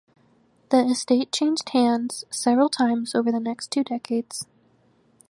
The estate changed hands several times over the next two decades.